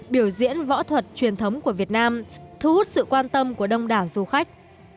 biểu diễn võ thuật truyền thống của việt nam thu hút sự quan tâm của đông đảo du khách